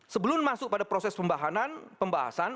sebelum masuk pada proses pembahasan pembahasan